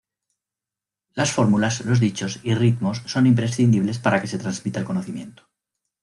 Las fórmulas, los dichos y ritmos son imprescindibles para que se transmita el conocimiento.